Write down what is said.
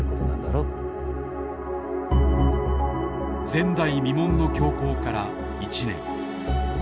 前代未聞の凶行から１年。